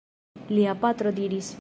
Lia patro diris.